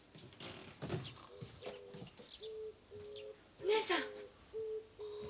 お姉さん！